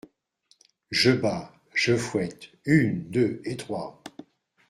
Je bats !… je fouette !… une, deux et trois !…